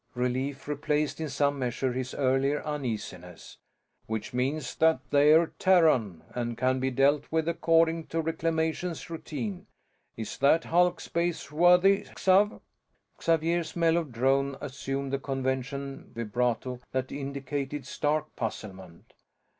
Relief replaced in some measure his earlier uneasiness. "Which means that they're Terran, and can be dealt with according to Reclamations routine. Is that hulk spaceworthy, Xav?" Xavier's mellow drone assumed the convention vibrato that indicated stark puzzlement.